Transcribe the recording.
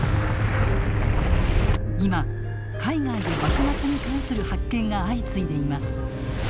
今海外で幕末に関する発見が相次いでいます。